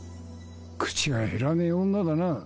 口が減らねえ女だな。